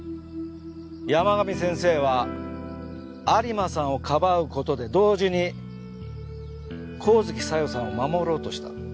山上先生は有馬さんをかばうことで同時に神月沙代さんを守ろうとした。